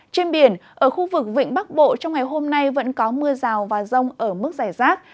trên biển ở khu vực vịnh bắc bộ trong ngày hôm nay vẫn có mưa rào và rông ở mức giải rác